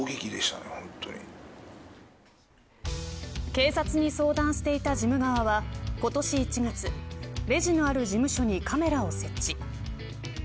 警察に相談していたジム側は今年１月レジのある事務所にカメラを設置。